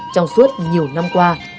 trong suốt nhiều năm qua